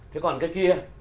thế còn cái kia